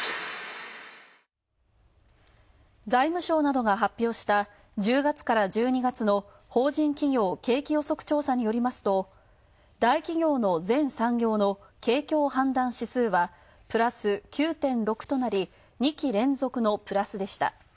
財務省などが発表した１０月から１２月の法人企業景気予測調査によりますと大企業の全産業の景況判断指数はプラス９．６となり、２期連続のプラスでした。